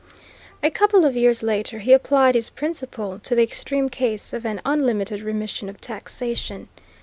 A couple of years later he applied his principle to the extreme case of an unlimited remission of taxation.